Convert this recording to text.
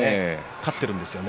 勝っているんですよね。